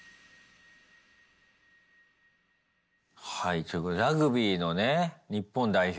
はいということでラグビーのね日本代表。